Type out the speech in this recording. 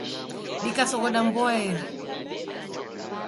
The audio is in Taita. Dikasoghoda mboaeri.